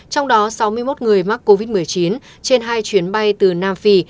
trong đó sáu mươi một người mắc covid một mươi chín trên hai chuyến bay từ nam phi